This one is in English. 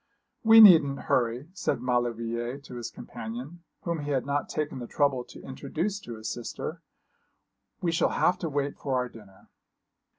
'We needn't hurry,' said Maulevrier to his companion, whom he had not taken the trouble to introduce to his sister. 'We shall have to wait for our dinner.'